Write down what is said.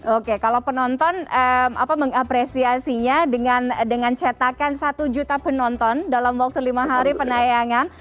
oke kalau penonton mengapresiasinya dengan cetakan satu juta penonton dalam waktu lima hari penayangan